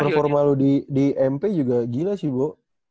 performa lu di mp juga gila sih bo